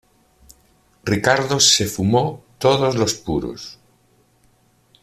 Ricardo se fumó todos los puros.